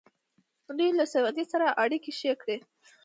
دوی له سعودي سره اړیکې ښې کړې.